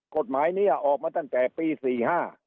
กฎหมายนี้ออกมาตั้งแต่ปีสี่ห้า